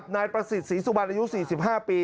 นายประสิทธิ์ศรีสุบันอายุ๔๕ปี